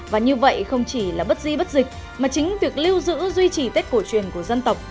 và như vậy không chỉ là bất di bất dịch mà chính việc lưu giữ duy trì tết cổ truyền của dân tộc